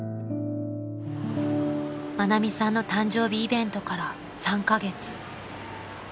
［愛美さんの誕生日イベントから３カ月］